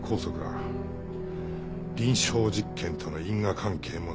臨床実験との因果関係もない。